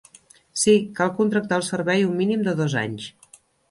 Sí, cal contractar el servei un mínim de dos anys.